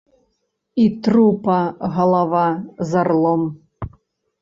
І трупа галава з арлом!